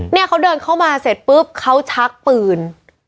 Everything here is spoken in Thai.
เนี่ยเขาเดินเข้ามาเสร็จปุ๊บเขาชักปืน